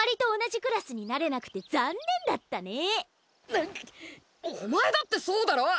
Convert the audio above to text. なっお前だってそうだろう！